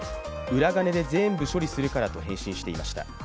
裏金でぜーんぶ処理するからと返信していました。